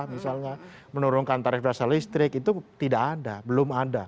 misalnya menurunkan tarif dasar listrik itu tidak ada belum ada